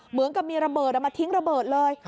เหมือนกับมีระเบิดมาทิ้งระเบิดเลย